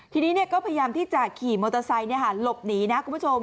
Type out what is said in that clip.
ทีนี้ก็พยายามที่จะขี่มอเตอร์ไซค์หลบหนีนะคุณผู้ชม